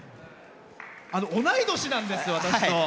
同い年なんです、私と。